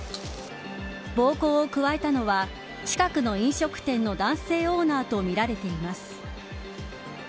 暴行を加えたのは近くの飲食店の男性オーナーとみられています。